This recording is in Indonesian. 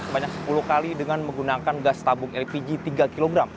sebanyak sepuluh kali dengan menggunakan gas tabung lpg tiga kg